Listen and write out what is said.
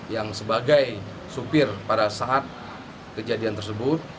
yang sebagai supir pada saat kejadian tersebut